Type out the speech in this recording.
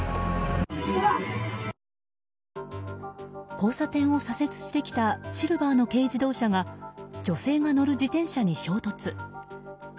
交差点を左折してきたシルバーの軽自動車が女性が乗る自転車に衝突。